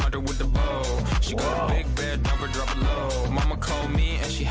แต่สิ่งที่ได้คือ